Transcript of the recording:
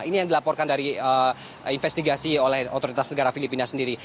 ini yang dilaporkan dari investigasi oleh otoritas negara filipina sendiri